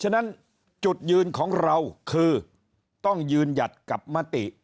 ฉะนั้นจุดยืนของเราคือต้องยืนหยัดกับมติ